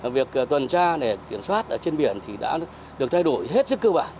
việc tuần tra để kiểm soát trên biển thì đã được thay đổi hết sức cơ bản